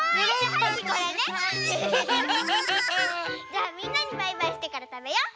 じゃあみんなにバイバイしてからたべよう。